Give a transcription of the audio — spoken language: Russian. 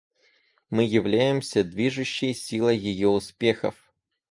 Мы являемся движущей силой ее успехов.